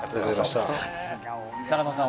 永野さん